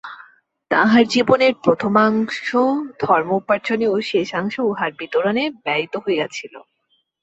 তাঁহার জীবনের প্রথমাংশ ধর্ম-উপার্জনে ও শেষাংশ উহার বিতরণে ব্যয়িত হইয়াছিল।